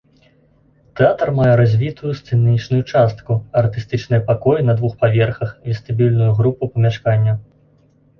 Тэатр мае развітую сцэнічную частку, артыстычныя пакоі на двух паверхах, вестыбюльную групу памяшканняў.